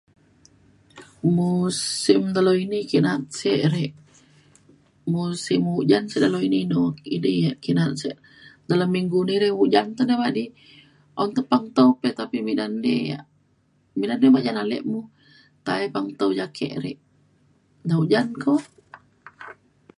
Musim telou ini kek na'at sik irek, musim ujan selalu inou-inou yak idi kek na'at, dalem minggu ini rei ujan cen na badik un tepan tau tetapi midan di yak midan di majan alek mo tai pan tau ake rek, na ujan kok